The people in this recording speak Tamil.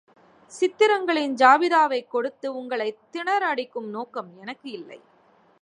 சித்திரங்களின் ஜாபிதாவைக் கொடுத்து உங்களைத் திணற அடிக்கும் நோக்கம் எனக்கு இல்லை.